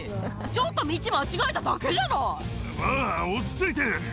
ちょっと道、間違えただけじゃなまあ、落ち着いて。